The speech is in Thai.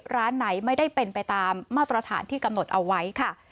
ร้านไหนไม่ได้เป็นไปตามมาตรฐานที่กำหนดเอาไว้ค่ะ